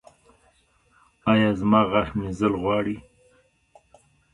ایا زما غاښ مینځل غواړي؟